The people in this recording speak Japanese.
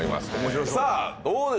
さあどうでしょう？